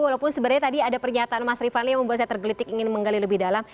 walaupun sebenarnya tadi ada pernyataan mas rifanli yang membuat saya tergelitik ingin menggali lebih dalam